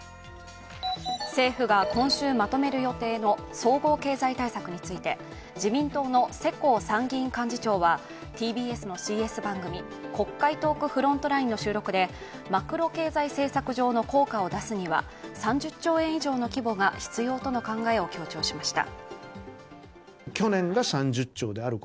政府が今週まとめる予定の総合経済対策について、自民党の世耕参議院幹事長はＴＢＳのＣＳ番組「国会トークフロントライン」の収録でマクロ経済政策上の効果を出すには３０兆円以上の規模が必要との考えを強調しました。